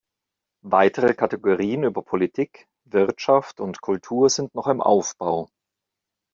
Weitere Kategorien über Politik, Wirtschaft und Kultur sind noch im Aufbau.